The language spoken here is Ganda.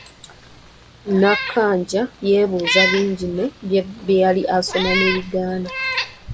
Nankanja yeebuuza bingi ne bye yali asoma ne bigaana.